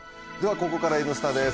ここから「Ｎスタ」です。